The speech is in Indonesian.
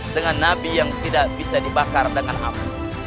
dengan nabi yang tidak bisa dibakar dengan api